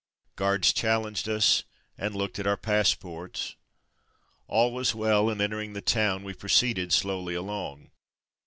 Guards challenged us, and looked at our passports. All was well, and entering the town we proceeded slowly along.